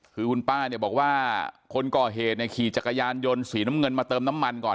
คือคุณป้าเนี่ยบอกว่าคนก่อเหตุเนี่ยขี่จักรยานยนต์สีน้ำเงินมาเติมน้ำมันก่อน